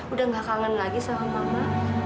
udah gak kangen lagi sama mama